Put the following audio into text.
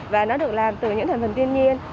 và nó được làm từ những thành phần tiên nhiên